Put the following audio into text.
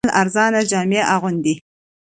دوی تل ارزانه جامې اغوندي